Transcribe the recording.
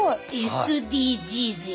ＳＤＧｓや。